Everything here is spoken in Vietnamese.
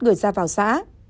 gửi ra vào xã